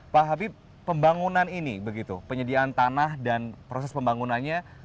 pak habib pembangunan ini begitu penyediaan tanah dan proses pembangunannya